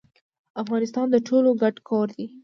افغانستان د ټولو ګډ کور دی